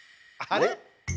あれ？